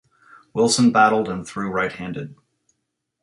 Wilson batted and threw right-handed.